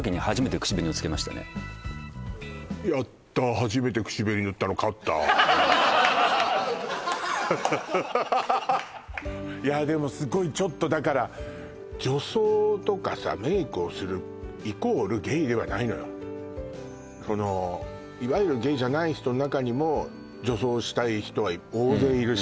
初めて口紅塗ったの勝ったはっははははいやでもすごいちょっとだから女装とかさメイクをするイコールゲイではないのよそのいわゆるゲイじゃない人の中にも女装したい人は大勢いるし